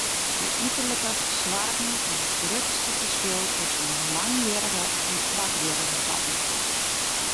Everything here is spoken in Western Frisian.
De uterlike fersoarging is it grutste ferskil tusken langhierrige en koarthierrige katten.